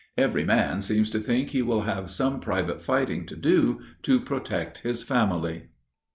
Every man seems to think he will have some private fighting to do to protect his family.